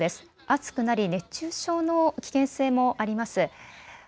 暑くなり熱中症の危険性もあります。